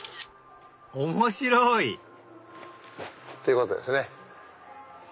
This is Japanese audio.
面白い！ってことですね。